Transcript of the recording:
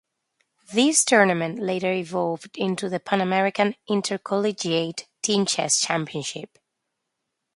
This tournament later evolved into the Pan American Intercollegiate Team Chess Championship.